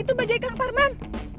itu bajaj kang parman